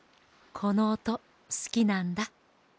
このおとすきなんだ。